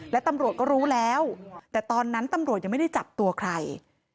และตำรวจก็รู้แล้วแต่ตอนนั้นตำรวจยังไม่ได้จับตัวใคร